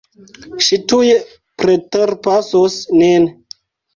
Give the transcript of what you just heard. Ŝi tuj preterpasos nin.